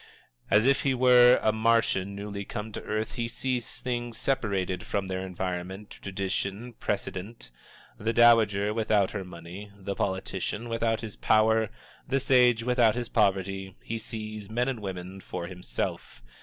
As if he were a Martian newly come to earth, he sees things separated from their environment, tradition, precedent the dowager without her money, the politician without his power, the sage without his poverty; he sees men and women for himself.